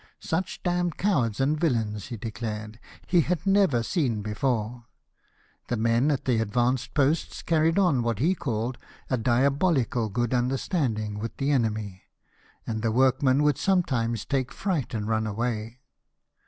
" Such damned cowards and villains," he declared, "he had never seen before." The men at the advanced posts carried on what he called '' a diabolical good understanding " with the enemy, and the workmen would sometimes take fright and run away.